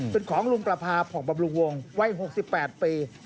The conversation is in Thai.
เป็นของลุงประพาผ่องบำรุงวงวัย๖๘ปี